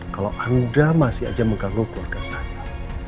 kalau anda masih aja mengganggu keluarga saya